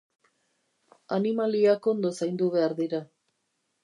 Animaliak ondo zaindu behar dira.